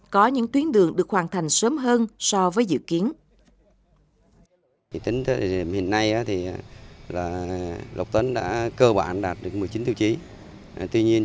có những tuyến đường được hoàn thành sớm hơn so với dự kiến